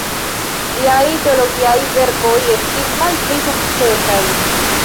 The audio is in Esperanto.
Liaj teologiaj verkoj estis malpli sukcesaj.